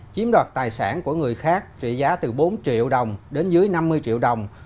chiếm đoạt tài sản của người khác trị giá từ bốn triệu đồng đến dưới năm mươi triệu đồng